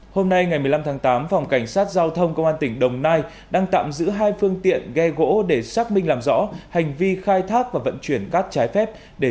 hôm nay ngày một mươi năm tháng tám phòng cảnh sát giao thông công an tỉnh đồng nai đang tạm giữ hai phương tiện ghe gỗ để xác minh làm rõ hành vi khai thác và vận chuyển cát trái phép